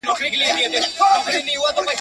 دوه خورجینه په لومړۍ ورځ خدای تیار کړل ..